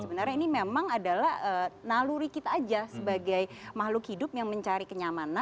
sebenarnya ini memang adalah naluri kita aja sebagai makhluk hidup yang mencari kenyamanan